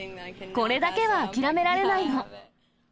これだけは諦められないの。